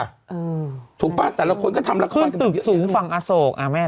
อืมถูกป่ะแต่ละคนก็ทำละขึ้นตึกสูงฝั่งอโศกอ่าแม่ต่อ